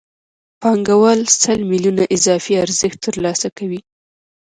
پانګوال سل میلیونه اضافي ارزښت ترلاسه کوي